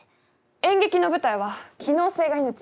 演劇の舞台は機能性が命。